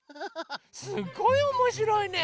すっごいおもしろいね。